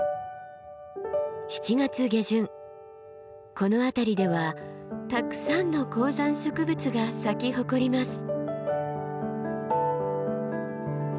７月下旬この辺りではたくさんの高山植物が咲き誇ります。